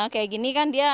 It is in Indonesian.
kayak gini kan dia